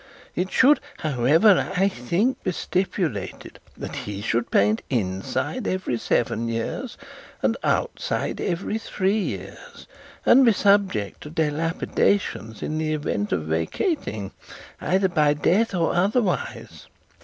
It should, however, I think be stipulated that he should paint inside every seven years, and outside every three years, and be subject to dilapidations, in the event of vacating either by death or otherwise.